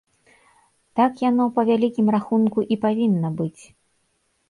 Так яно, па вялікім рахунку, і павінна быць.